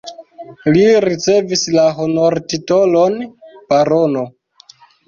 Li ricevis la honortitolon barono.